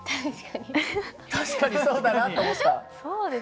確かにそうだなと思った？でしょ？